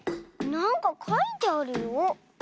なんかかいてあるよ。